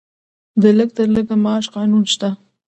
د لږ تر لږه معاش قانون شته؟